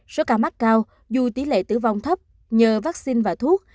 số ca mắc cao dù tỷ lệ tử vong thấp nhờ vaccine và thuốc